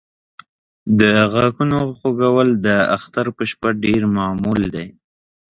د غاښونو خوږول د اختر په شپه ډېر معمول دی.